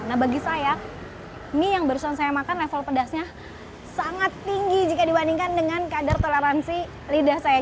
nah bagi saya mie yang barusan saya makan level pedasnya sangat tinggi jika dibandingkan dengan kadar toleransi lidah saya